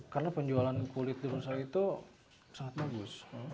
karena penjualan kulit the rusa itu sangat bagus